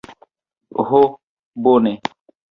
Ho, bone.